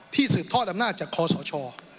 สืบทอดอำนาจจากคอสช